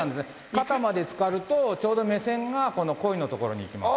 肩までつかるとちょうど目線が鯉のところにいきます。